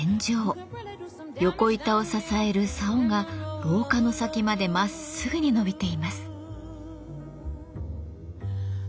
横板を支える竿が廊下の先までまっすぐに伸びています。